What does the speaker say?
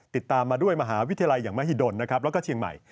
ติดตามมาด้วยมหาวิทยาลัยอย่างมหิดลนะครับแล้วก็เชียงใหม่